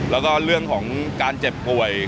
แล้วก็เรื่องของการเจ็บป่วย